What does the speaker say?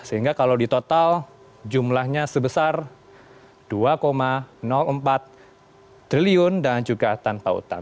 sehingga kalau di total jumlahnya sebesar dua empat triliun dan juga tanpa utang